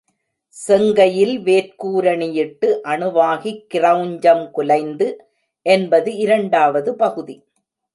செங்கையில்வேற் கூரணி யிட்டு அணு வாகிக் கிரெளஞ்சம் குலைந்து என்பது இரண்டாவது பகுதி.